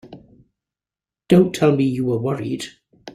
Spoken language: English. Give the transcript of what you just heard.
Don't tell me you were worried!